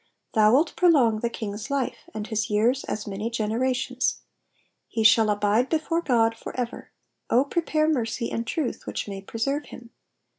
6 Thou wilt prolong the king's life : and his years as many generations. 7 He shall abide before God for ever : O prepare mercy and truth, ivhich may preserve him.